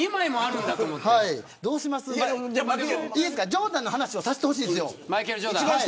ジョーダンの話をさせてほしいんです。